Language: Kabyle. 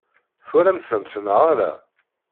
Twalam-tent neɣ ala?